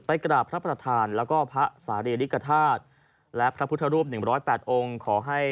ไปกลับพระประธานแล้วก็พระสารีริกทาศและพระพุทธรูป๑๐๘องค์